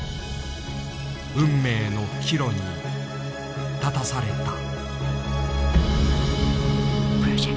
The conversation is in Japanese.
運命の岐路に立たされた。